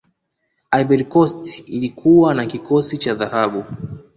ivory coast ilikuwana kikosi cha dhahabu